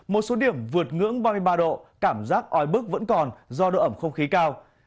một số điểm vượt ngưỡng ba mươi ba độ cảm giác oi bức vẫn còn do độ ẩm không khí cao